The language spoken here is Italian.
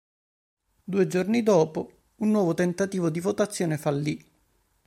Due giorni dopo, un nuovo tentativo di votazione fallì.